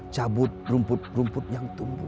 cabut rumput rumput yang tumbuh